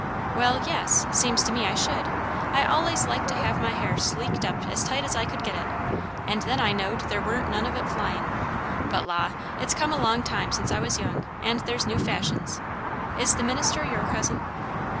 "Well, yes; seems to me I should. I allays liked to have my hair sleeked up as tight as I could get it; and then I knowed there warn't none of it flyin'. But la! it's a long time since I was young, and there's new fashions. Is the minister your cousin?"